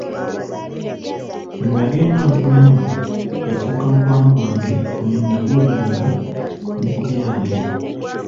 Bwe nnagenda nkulamu yafuuka mukwano gwange gwe nabuuliranga ne ku byange.